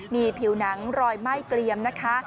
มีผิวหนังรอยไหม้เกลียมนะคะ